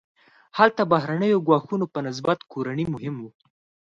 هلته بهرنیو ګواښونو په نسبت کورني مهم وو.